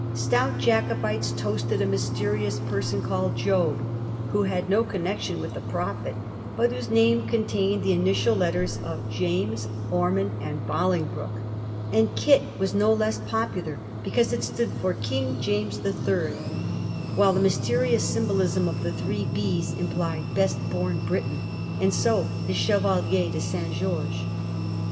Stout Jacobites toasted a mysterious person called Job, who had no connection with the prophet, but whose name contained the initial letters of James, Digiti zed by Google 1715 THE CAMP IN HYDE PARK. 15^ Ormond, and Bolingbroke; and ^Kit' was no less popular because it stood for ^ King James III.'; while the mysterious symbolism of the 'Three B's' im plied *Best Bom Briton,' and so the Chevalier de St. George.